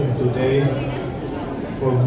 untuk saya adalah sejarah